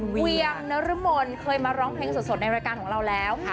เวียงนรมนเคยมาร้องเพลงสดในรายการของเราแล้ว